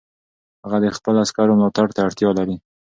هغه د خپلو عسکرو ملاتړ ته اړتیا لري.